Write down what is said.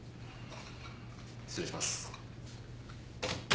失礼します。